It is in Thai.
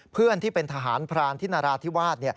ที่เป็นทหารพรานที่นราธิวาส